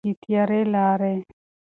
د تیارې لارې.